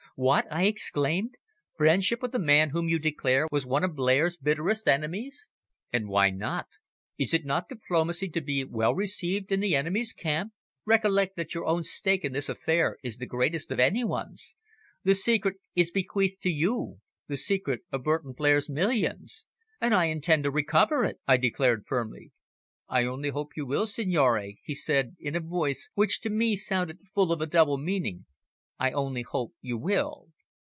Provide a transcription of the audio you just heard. "What!" I exclaimed. "Friendship with the man whom you declare was one of Blair's bitterest enemies?" "And why not? Is it not diplomacy to be well received in the enemy's camp? Recollect that your own stake in this affair is the greatest of any one's. The secret is bequeathed to you the secret of Burton Blair's millions!" "And I intend to recover it," I declared firmly. "I only hope you will, signore," he said in a voice which to me sounded full of a double meaning. "I only hope you will."